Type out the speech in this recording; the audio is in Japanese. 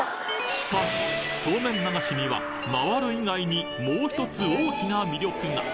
しかしそうめん流しには回る以外にもうひとつ大きな魅力が！